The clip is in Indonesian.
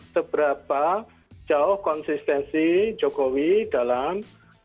seberapa jauh konsistensi jokowi dalam